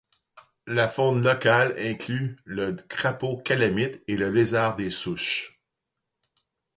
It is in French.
La faune locale inclut le crapaud calamite et le lézard des souches.